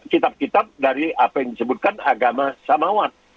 kitab kitab dari apa yang disebutkan agama samawat